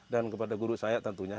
dan kepada guru saya tentunya